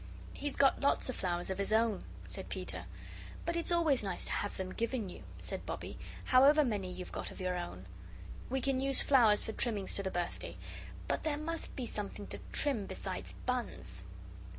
"He's got lots of flowers of his own," said Peter. "But it's always nice to have them given you," said Bobbie, "however many you've got of your own. We can use flowers for trimmings to the birthday. But there must be something to trim besides buns."